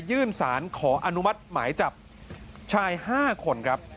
ยื่นสารขออนุมัติหมายจับชาย๕คนครับ